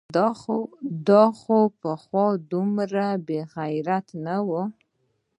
دا خو پخوا دومره بېغیرته نه و؟!